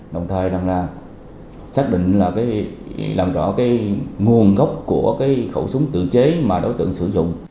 đồng thời là xác định là làm rõ cái nguồn gốc của cái khẩu súng tự chế mà đối tượng sử dụng